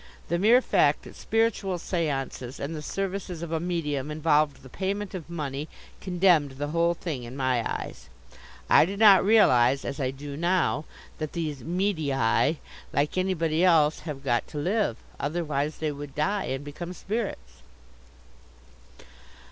The mere fact that spiritual seances and the services of a medium involved the payment of money condemned the whole thing in my eyes. I did not realize, as I do now, that these medii, like anybody else, have got to live; otherwise they would die and become spirits.